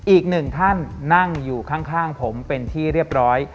อีกหนึ่งท่านนั่งอยู่ข้างผมเป็นที่เรียบร้อย